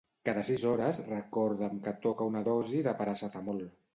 Cada sis hores recorda'm que toca una dosi de paracetamol.